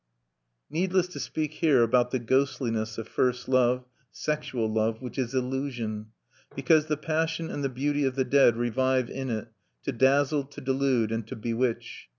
Needless to speak here about the ghostliness of first love, sexual love, which is illusion, because the passion and the beauty of the dead revive in it, to dazzle, to delude; and to bewitch.